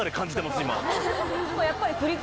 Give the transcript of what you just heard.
やっぱり。